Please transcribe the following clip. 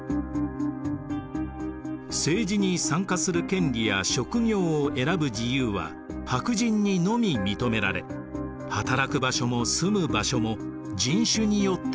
政治に参加する権利や職業を選ぶ自由は白人にのみ認められ働く場所も住む場所も人種によって分けられました。